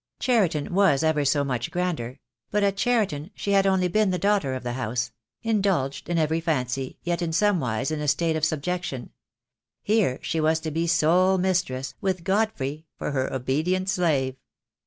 Cheriton was ever so THE DAY WILL COME. 39 much grander; but at Cheriton she had only been the daughter of the house; indulged in every fancy, yet in somewise in a state of subjection. Here she was to be sole mistress, with Godfrey for her obedient slave.